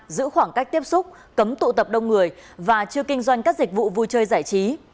giữ khoảng cách tiếp xúc cấm tụ tập đông người và chưa kinh doanh các dịch vụ vui chơi giải trí